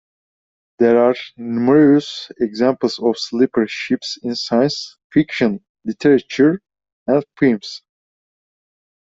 There are numerous examples of sleeper ships in science fiction literature and films.